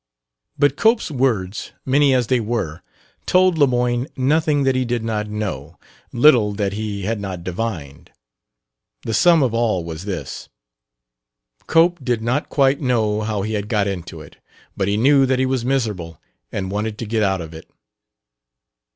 But Cope's words, many as they were, told Lemoyne nothing that he did not know, little that he had not divined. The sum of all was this: Cope did not quite know how he had got into it; but he knew that he was miserable and wanted to get out of it.